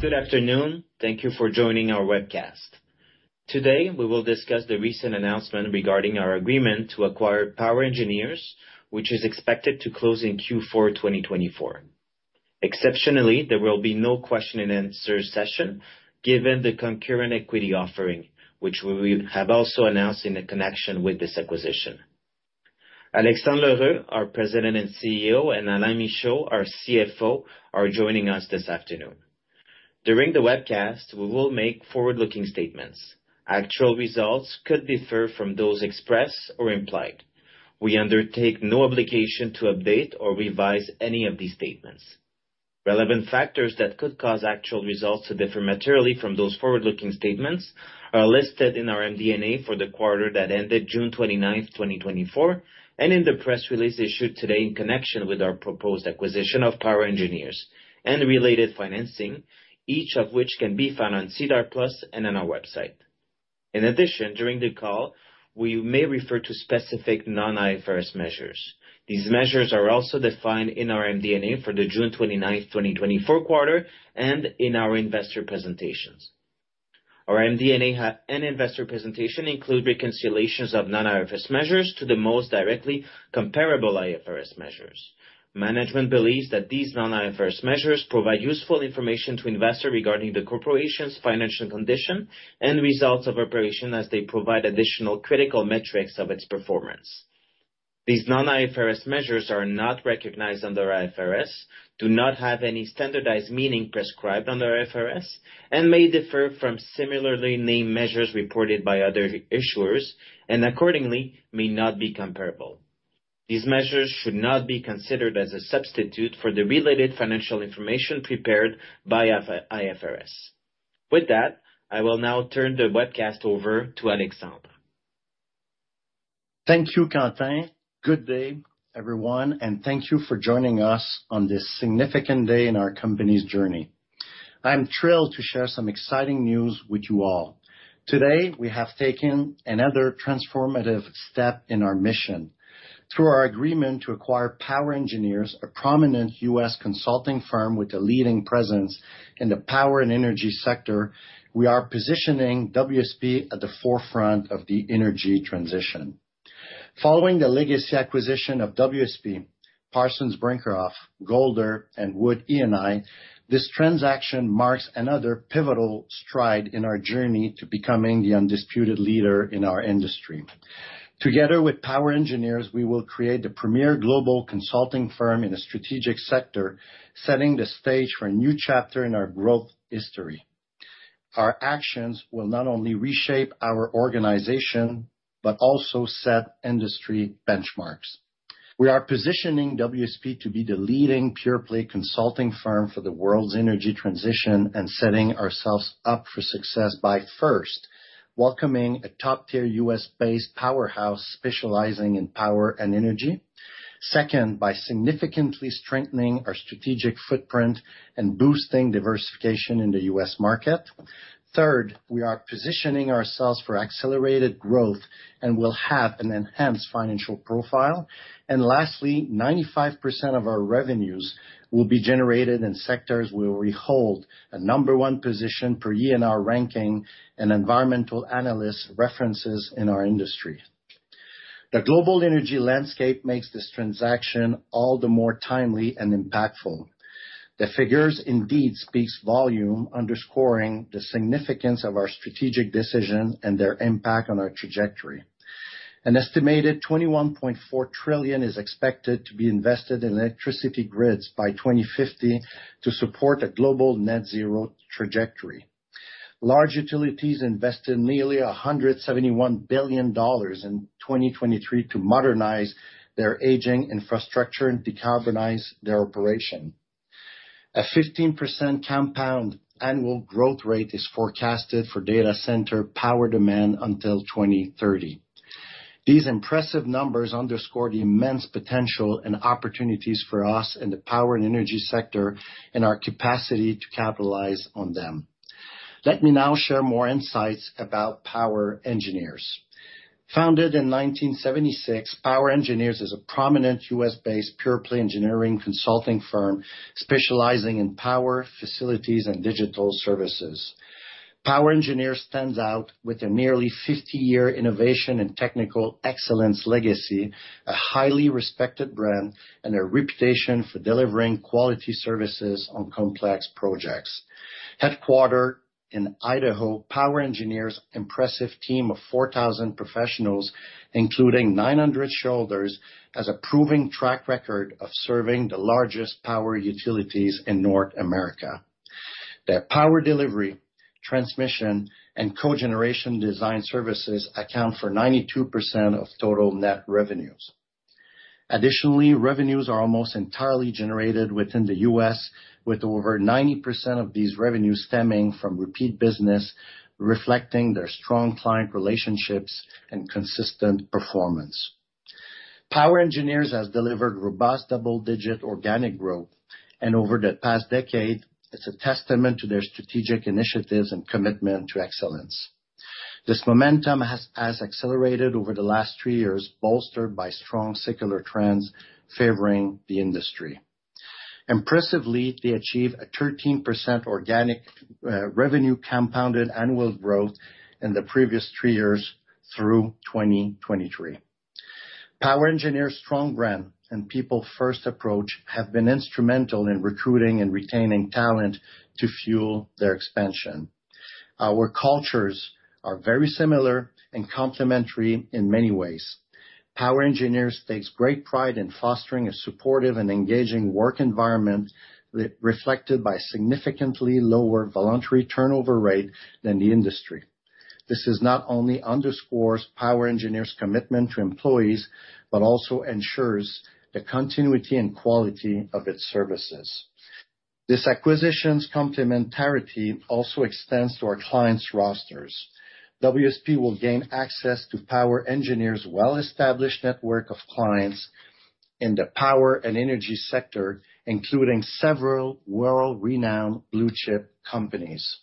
Good afternoon. Thank you for joining our webcast. Today, we will discuss the recent announcement regarding our agreement to acquire POWER Engineers, which is expected to close in Q4 2024. Exceptionally, there will be no question and answer session, given the concurrent equity offering, which we will have also announced in connection with this acquisition. Alexandre L’Heureux, our President and CEO, and Alain Michaud, our CFO, are joining us this afternoon. During the webcast, we will make forward-looking statements. Actual results could differ from those expressed or implied. We undertake no obligation to update or revise any of these statements. Relevant factors that could cause actual results to differ materially from those forward-looking statements are listed in our MD&A for the quarter that ended June 29, 2024, and in the press release issued today in connection with our proposed acquisition of POWER Engineers and related financing, each of which can be found on SEDAR+ and on our website. In addition, during the call, we may refer to specific non-IFRS measures. These measures are also defined in our MD&A for the June 29, 2024 quarter, and in our investor presentations. Our MD&A and investor presentation include reconciliations of non-IFRS measures to the most directly comparable IFRS measures. Management believes that these non-IFRS measures provide useful information to investors regarding the corporation's financial condition and results of operation, as they provide additional critical metrics of its performance. These non-IFRS measures are not recognized under IFRS, do not have any standardized meaning prescribed under IFRS, and may differ from similarly named measures reported by other issuers, and accordingly, may not be comparable. These measures should not be considered as a substitute for the related financial information prepared by IFRS. With that, I will now turn the webcast over to Alexandre. Thank you, Quentin. Good day, everyone, and thank you for joining us on this significant day in our company's journey. I'm thrilled to share some exciting news with you all. Today, we have taken another transformative step in our mission. Through our agreement to acquire POWER Engineers, a prominent U.S. consulting firm with a leading presence in the power and energy sector, we are positioning WSP at the forefront of the energy transition. Following the legacy acquisition of WSP, Parsons Brinckerhoff, Golder, and Wood E&I, this transaction marks another pivotal stride in our journey to becoming the undisputed leader in our industry. Together with POWER Engineers, we will create the premier global consulting firm in a strategic sector, setting the stage for a new chapter in our growth history. Our actions will not only reshape our organization, but also set industry benchmarks. We are positioning WSP to be the leading pure-play consulting firm for the world's energy transition and setting ourselves up for success by, first, welcoming a top-tier U.S.-based powerhouse specializing in power and energy. Second, by significantly strengthening our strategic footprint and boosting diversification in the U.S. market. Third, we are positioning ourselves for accelerated growth and will have an enhanced financial profile. Lastly, 95% of our revenues will be generated in sectors where we hold a number one position per year in our ranking and environmental analysts references in our industry. The global energy landscape makes this transaction all the more timely and impactful. The figures indeed speaks volume, underscoring the significance of our strategic decisions and their impact on our trajectory. An estimated $21.4 trillion is expected to be invested in electricity grids by 2050 to support a global net zero trajectory. Large utilities invested nearly $171 billion in 2023 to modernize their aging infrastructure and decarbonize their operation. A 15% compound annual growth rate is forecasted for data center power demand until 2030. These impressive numbers underscore the immense potential and opportunities for us in the power and energy sector and our capacity to capitalize on them. Let me now share more insights about POWER Engineers. Founded in 1976, POWER Engineers is a prominent U.S.-based, pure-play engineering consulting firm specializing in power, facilities, and digital services. POWER Engineers stands out with a nearly 50-year innovation and technical excellence legacy, a highly respected brand, and a reputation for delivering quality services on complex projects. Headquartered in Idaho, POWER Engineers' impressive team of 4,000 professionals, including 900 engineers, has a proven track record of serving the largest power utilities in North America. Their power delivery, transmission, and cogeneration design services account for 92% of total net revenues. Additionally, revenues are almost entirely generated within the US, with over 90% of these revenues stemming from repeat business, reflecting their strong client relationships and consistent performance. POWER Engineers has delivered robust double-digit organic growth, and over the past decade, it's a testament to their strategic initiatives and commitment to excellence. This momentum has accelerated over the last three years, bolstered by strong secular trends favoring the industry. Impressively, they achieved a 13% organic revenue compounded annual growth in the previous three years through 2023. POWER Engineers' strong brand and people-first approach have been instrumental in recruiting and retaining talent to fuel their expansion. Our cultures are very similar and complementary in many ways. POWER Engineers takes great pride in fostering a supportive and engaging work environment, reflected by significantly lower voluntary turnover rate than the industry. This not only underscores POWER Engineers' commitment to employees, but also ensures the continuity and quality of its services. This acquisition's complementarity also extends to our clients' rosters. WSP will gain access to POWER Engineers' well-established network of clients in the power and energy sector, including several world-renowned blue chip companies.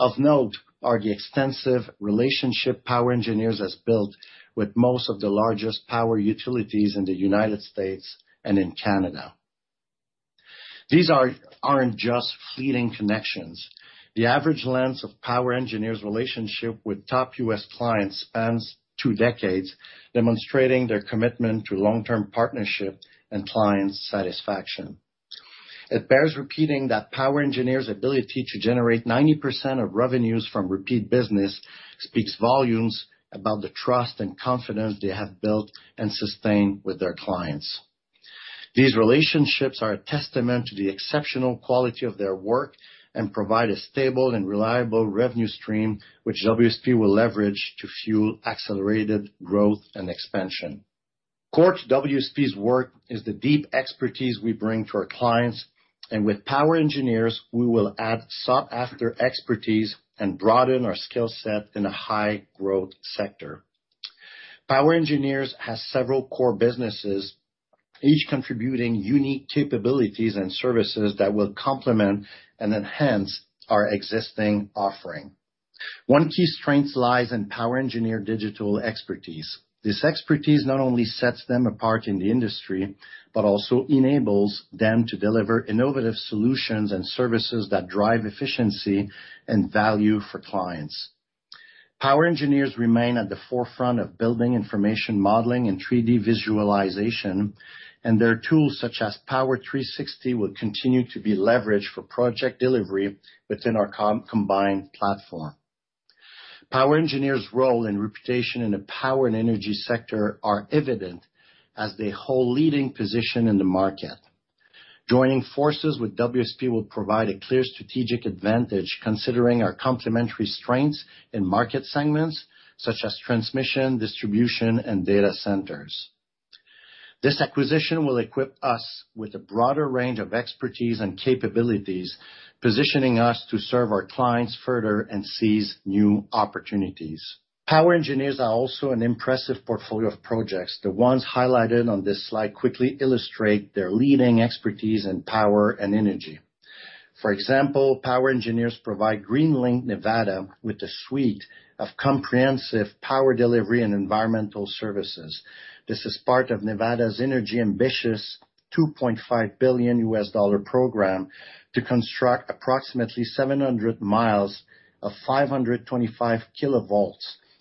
Of note, are the extensive relationship POWER Engineers has built with most of the largest power utilities in the United States and in Canada. These aren't just fleeting connections. The average length of POWER Engineers' relationship with top U.S. clients spans two decades, demonstrating their commitment to long-term partnership and client satisfaction. It bears repeating that POWER Engineers' ability to generate 90% of revenues from repeat business speaks volumes about the trust and confidence they have built and sustained with their clients. These relationships are a testament to the exceptional quality of their work and provide a stable and reliable revenue stream, which WSP will leverage to fuel accelerated growth and expansion. Core to WSP's work is the deep expertise we bring to our clients, and with POWER Engineers, we will add sought-after expertise and broaden our skill set in a high-growth sector. POWER Engineers has several core businesses, each contributing unique capabilities and services that will complement and enhance our existing offering. One key strength lies in POWER Engineers' digital expertise. This expertise not only sets them apart in the industry, but also enables them to deliver innovative solutions and services that drive efficiency and value for clients. POWER Engineers remain at the forefront of Building Information Modeling and 3D visualization, and their tools, such as POWER360, will continue to be leveraged for project delivery within our combined platform. POWER Engineers' role and reputation in the power and energy sector are evident as they hold leading position in the market. Joining forces with WSP will provide a clear strategic advantage, considering our complementary strengths in market segments such as transmission, distribution, and data centers. This acquisition will equip us with a broader range of expertise and capabilities, positioning us to serve our clients further and seize new opportunities. POWER Engineers are also an impressive portfolio of projects. The ones highlighted on this slide quickly illustrate their leading expertise in power and energy. For example, POWER Engineers provide Greenlink Nevada with a suite of comprehensive power delivery and environmental services. This is part of NV Energy's ambitious $2.5 billion program to construct approximately 700 miles of 525 kV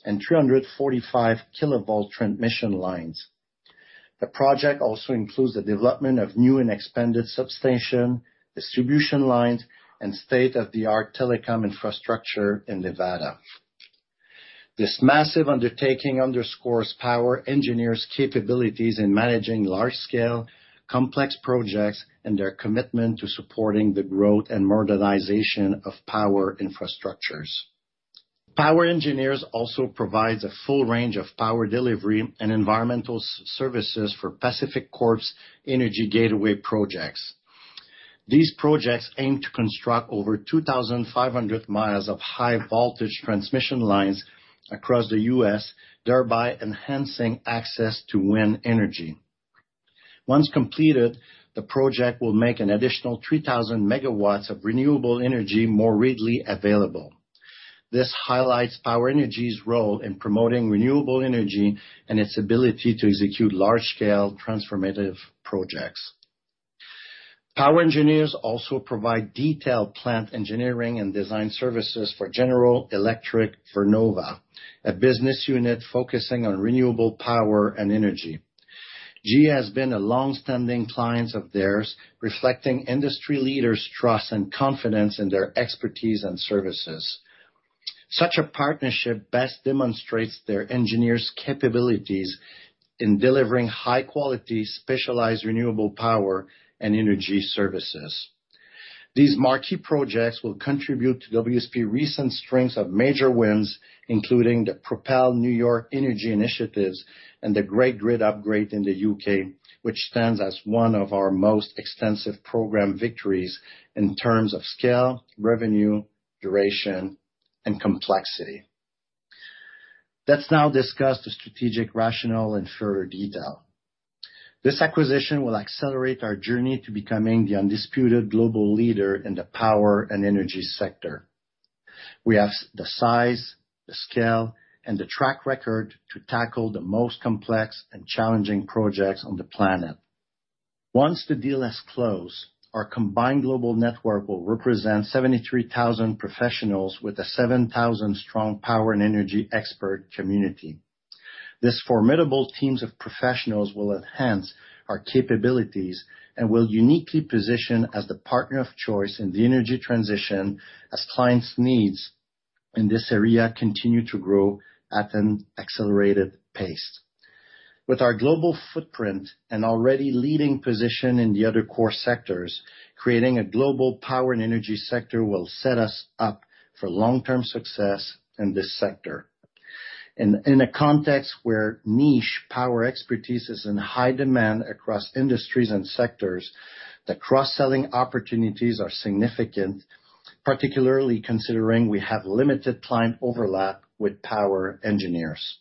and 345 kV transmission lines. The project also includes the development of new and expanded substation, distribution lines, and state-of-the-art telecom infrastructure in Nevada. This massive undertaking underscores POWER Engineers' capabilities in managing large-scale, complex projects, and their commitment to supporting the growth and modernization of power infrastructures. POWER Engineers also provides a full range of power delivery and environmental services for PacifiCorp's Energy Gateway projects. These projects aim to construct over 2,500 miles of high-voltage transmission lines across the U.S., thereby enhancing access to wind energy. Once completed, the project will make an additional 3,000 MW of renewable energy more readily available. This highlights POWER Engineers' role in promoting renewable energy and its ability to execute large-scale transformative projects. POWER Engineers also provide detailed plant engineering and design services for GE Vernova, a business unit focusing on renewable power and energy. GE has been a long-standing client of theirs, reflecting industry leaders' trust and confidence in their expertise and services. Such a partnership best demonstrates their engineers' capabilities in delivering high-quality, specialized renewable power and energy services. These marquee projects will contribute to WSP's recent strengths of major wins, including the Propel NY Energy and the Great Grid Upgrade in the U.K., which stands as one of our most extensive program victories in terms of scale, revenue, duration, and complexity. Let's now discuss the strategic rationale in further detail.... This acquisition will accelerate our journey to becoming the undisputed global leader in the power and energy sector. We have the size, the scale, and the track record to tackle the most complex and challenging projects on the planet. Once the deal is closed, our combined global network will represent 73,000 professionals with a 7,000-strong power and energy expert community. This formidable teams of professionals will enhance our capabilities and will uniquely position as the partner of choice in the energy transition, as clients' needs in this area continue to grow at an accelerated pace. With our global footprint and already leading position in the other core sectors, creating a global power and energy sector will set us up for long-term success in this sector. And in a context where niche power expertise is in high demand across industries and sectors, the cross-selling opportunities are significant, particularly considering we have limited client overlap with POWER Engineers.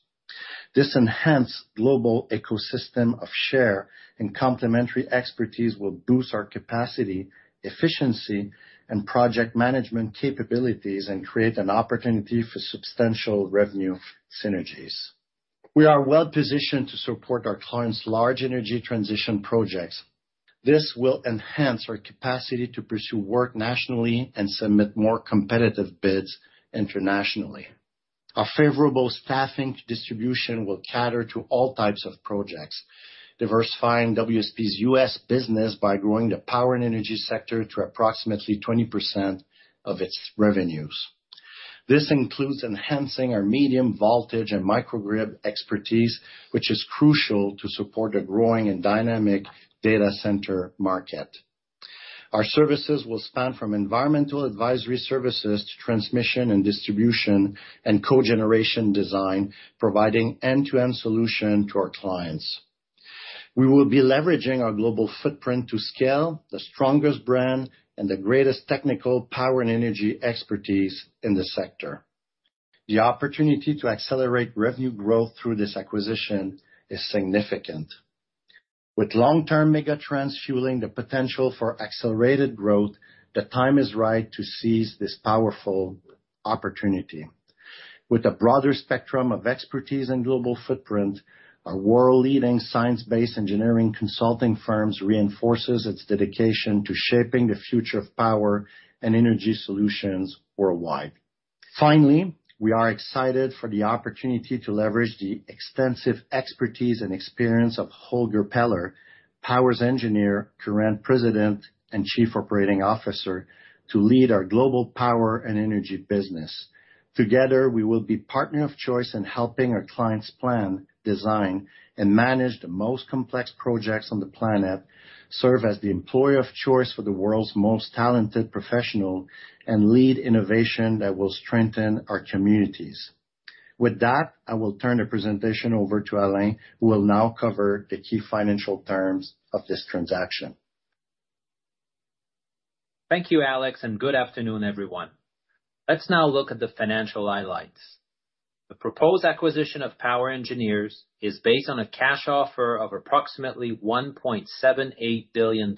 This enhanced global ecosystem of share and complementary expertise will boost our capacity, efficiency, and project management capabilities, and create an opportunity for substantial revenue synergies. We are well positioned to support our clients' large energy transition projects. This will enhance our capacity to pursue work nationally and submit more competitive bids internationally. Our favorable staffing distribution will cater to all types of projects, diversifying WSP's U.S. business by growing the power and energy sector to approximately 20% of its revenues. This includes enhancing our medium voltage and microgrid expertise, which is crucial to support a growing and dynamic data center market. Our services will span from environmental advisory services to transmission and distribution and cogeneration design, providing end-to-end solution to our clients. We will be leveraging our global footprint to scale the strongest brand and the greatest technical power and energy expertise in the sector. The opportunity to accelerate revenue growth through this acquisition is significant. With long-term megatrends fueling the potential for accelerated growth, the time is right to seize this powerful opportunity. With a broader spectrum of expertise and global footprint, our world-leading, science-based engineering consulting firms reinforces its dedication to shaping the future of power and energy solutions worldwide. Finally, we are excited for the opportunity to leverage the extensive expertise and experience of Holger Peller, POWER Engineers' current President and Chief Operating Officer, to lead our global power and energy business. Together, we will be partner of choice in helping our clients plan, design, and manage the most complex projects on the planet, serve as the employer of choice for the world's most talented professional, and lead innovation that will strengthen our communities. With that, I will turn the presentation over to Alain, who will now cover the key financial terms of this transaction. Thank you, Alex, and good afternoon, everyone. Let's now look at the financial highlights. The proposed acquisition of POWER Engineers is based on a cash offer of approximately $1.78 billion,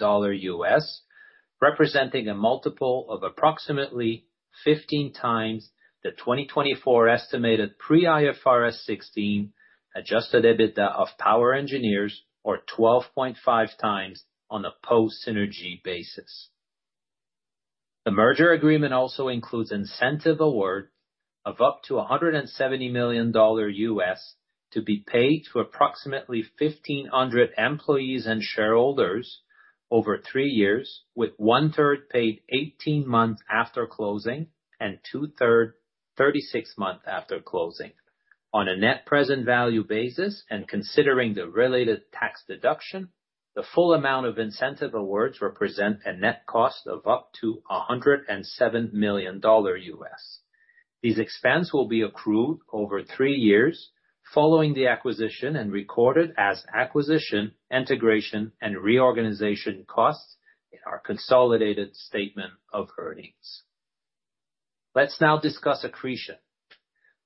representing a multiple of approximately 15x the 2024 estimated pre-IFRS 16 Adjusted EBITDA of POWER Engineers, or 12.5x on a post-synergy basis. The merger agreement also includes incentive award of up to $170 million, to be paid to approximately 1,500 employees and shareholders over three years, with one third paid 18 months after closing and two thirds, 36 months after closing. On a net present value basis, and considering the related tax deduction, the full amount of incentive awards represent a net cost of up to $107 million. These expenses will be accrued over 3 years following the acquisition and recorded as acquisition, integration, and reorganization costs in our consolidated statement of earnings. Let's now discuss accretion.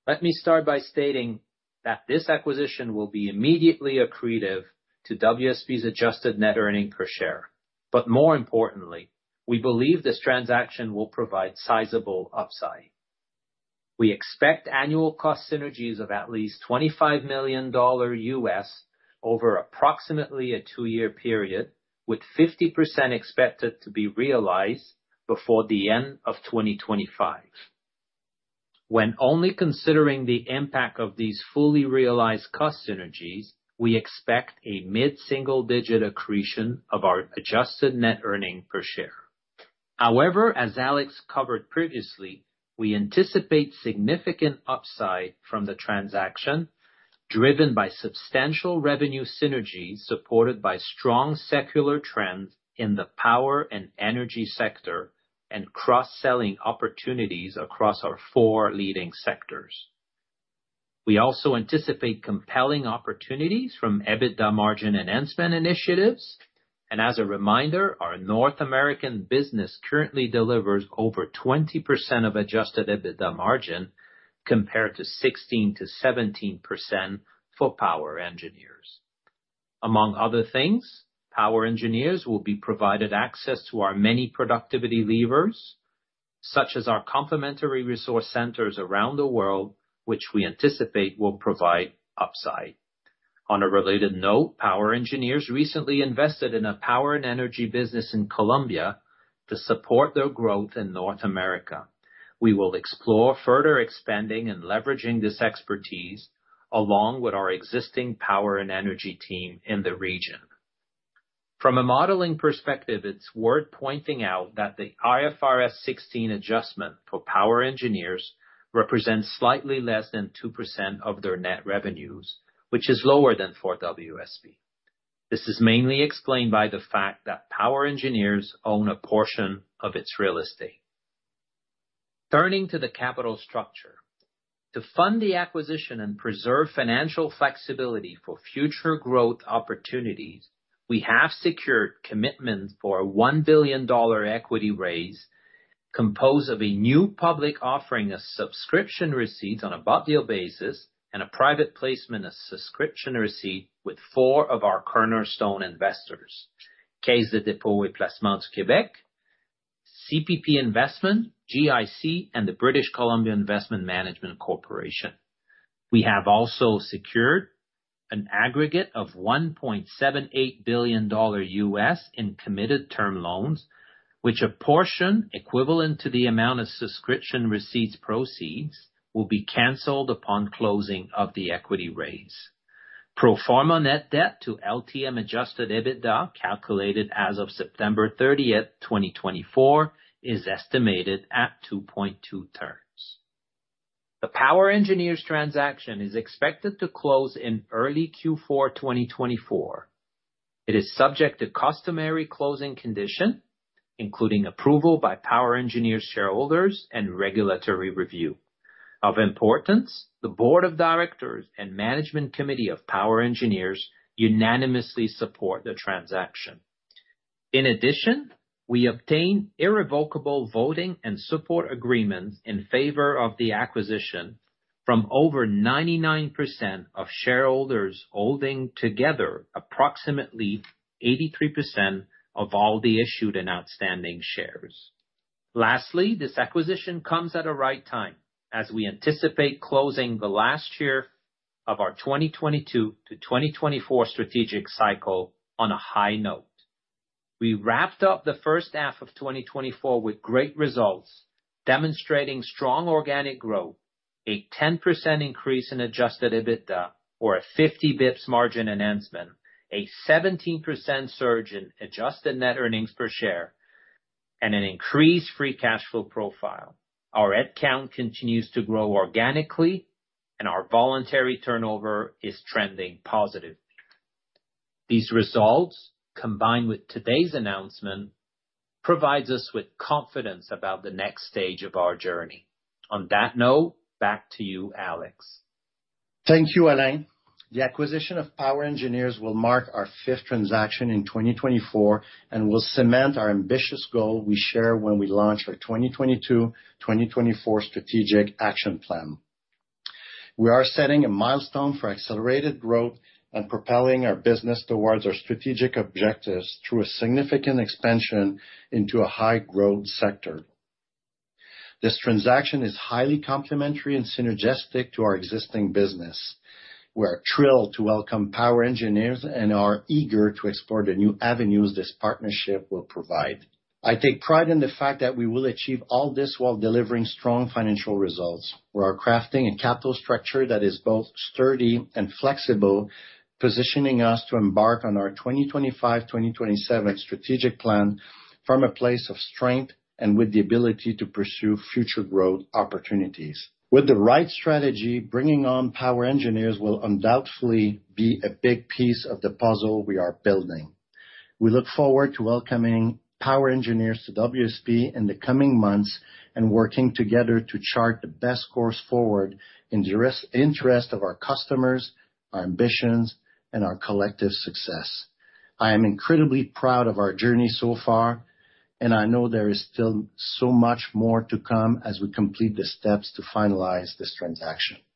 Let me start by stating that this acquisition will be immediately accretive to WSP's adjusted net earnings per share. But more importantly, we believe this transaction will provide sizable upside. We expect annual cost synergies of at least $25 million over approximately a 2-year period, with 50% expected to be realized before the end of 2025. When only considering the impact of these fully realized cost synergies, we expect a mid-single-digit accretion of our adjusted net earnings per share. However, as Alex covered previously, we anticipate significant upside from the transaction, driven by substantial revenue synergies, supported by strong secular trends in the power and energy sector, and cross-selling opportunities across our 4 leading sectors. We also anticipate compelling opportunities from EBITDA margin enhancement initiatives. And as a reminder, our North American business currently delivers over 20% of adjusted EBITDA margin, compared to 16%-17% for POWER Engineers. Among other things, POWER Engineers will be provided access to our many productivity levers, such as our complementary resource centers around the world, which we anticipate will provide upside. On a related note, POWER Engineers recently invested in a power and energy business in Colombia to support their growth in North America. We will explore further expanding and leveraging this expertise, along with our existing power and energy team in the region. From a modeling perspective, it's worth pointing out that the IFRS 16 adjustment for POWER Engineers represents slightly less than 2% of their net revenues, which is lower than for WSP. This is mainly explained by the fact that POWER Engineers own a portion of its real estate. Turning to the capital structure. To fund the acquisition and preserve financial flexibility for future growth opportunities, we have secured commitments for a $1 billion equity raise, composed of a new public offering, a subscription receipt on a bought deal basis, and a private placement of subscription receipt with four of our cornerstone investors: Caisse de dépôt et placement du Québec, CPP Investments, GIC, and the British Columbia Investment Management Corporation. We have also secured an aggregate of $1.78 billion U.S. in committed term loans, which a portion equivalent to the amount of subscription receipts proceeds, will be canceled upon closing of the equity raise. Pro forma net debt to LTM adjusted EBITDA, calculated as of September 30, 2024, is estimated at 2.2x. The POWER Engineers transaction is expected to close in early Q4 2024. It is subject to customary closing condition, including approval by POWER Engineers, shareholders, and regulatory review. Of importance, the board of directors and management committee of POWER Engineers unanimously support the transaction. In addition, we obtain irrevocable voting and support agreements in favor of the acquisition from over 99% of shareholders, holding together approximately 83% of all the issued and outstanding shares. Lastly, this acquisition comes at a right time, as we anticipate closing the last year of our 2022-2024 strategic cycle on a high note. We wrapped up the first half of 2024 with great results, demonstrating strong organic growth, a 10% increase in adjusted EBITDA, or a 50 basis points margin enhancement, a 17% surge in adjusted net earnings per share, and an increased free cash flow profile. Our head count continues to grow organically, and our voluntary turnover is trending positively. These results, combined with today's announcement, provides us with confidence about the next stage of our journey. On that note, back to you, Alex. Thank you, Alain. The acquisition of POWER Engineers will mark our fifth transaction in 2024 and will cement our ambitious goal we share when we launched our 2022-2024 strategic action plan. We are setting a milestone for accelerated growth and propelling our business towards our strategic objectives through a significant expansion into a high-growth sector. This transaction is highly complementary and synergistic to our existing business. We are thrilled to welcome POWER Engineers and are eager to explore the new avenues this partnership will provide. I take pride in the fact that we will achieve all this while delivering strong financial results. We are crafting a capital structure that is both sturdy and flexible, positioning us to embark on our 2025-2027 strategic plan from a place of strength and with the ability to pursue future growth opportunities. With the right strategy, bringing on POWER Engineers will undoubtedly be a big piece of the puzzle we are building. We look forward to welcoming POWER Engineers to WSP in the coming months and working together to chart the best course forward in the best interest of our customers, our ambitions, and our collective success. I am incredibly proud of our journey so far, and I know there is still so much more to come as we complete the steps to finalize this transaction.